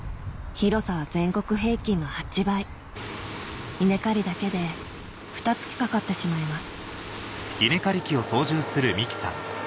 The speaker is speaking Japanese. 広さは全国平均の８倍稲刈りだけでふた月かかってしまいます